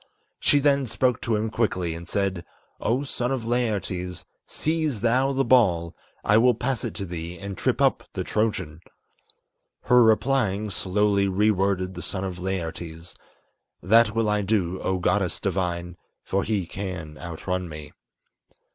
She then spoke to him quickly, and said, "O son of Laertes, Seize thou the ball; I will pass it to thee and trip up the Trojan." Her replying, slowly re worded the son of Laertes "That will I do, O goddess divine, for he can outrun me."